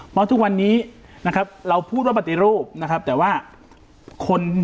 เพราะทุกวันนี้นะครับเราพูดว่าปฏิรูปนะครับแต่ว่าคน